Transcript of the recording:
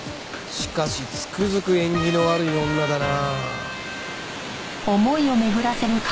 しかしつくづく縁起の悪い女だな。